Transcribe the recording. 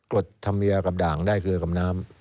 ดธรรมเนียกับด่างได้เกลือกับน้ำ